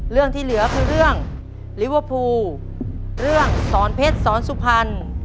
เรื่องที่เหลือคือเรื่องลิเวอร์พูลเรื่องสอนเพชรสอนสุพรรณ